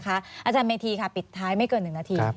อาจารย์เมธีค่ะปิดท้ายไม่เกิน๑นาที